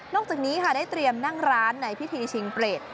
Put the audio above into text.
จากนี้ค่ะได้เตรียมนั่งร้านในพิธีชิงเปรต